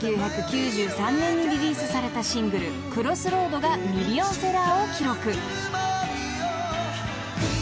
［１９９３年にリリースされたシングル『ＣＲＯＳＳＲＯＡＤ』がミリオンセラーを記録］